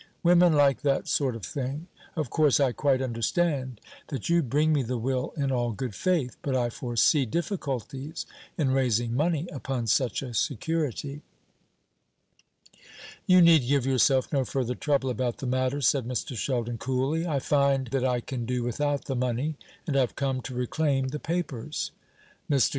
Women like that sort of thing. Of course, I quite understand that you bring me the will in all good faith; but I foresee difficulties in raising money upon such a security." "You need give yourself no further trouble about the matter," said Mr. Sheldon coolly. "I find that I can do without the money, and I've come to reclaim the papers." Mr.